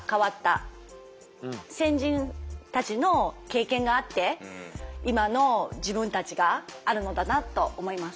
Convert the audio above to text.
先人たちの経験があって今の自分たちがあるのだなと思います。